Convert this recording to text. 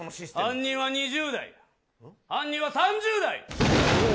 犯人は２０代、犯人は３０代。